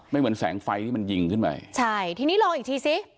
เหมือนแสงไฟที่มันยิงขึ้นไปใช่ทีนี้รออีกทีสิ